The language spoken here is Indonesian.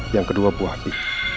yang kedua buah api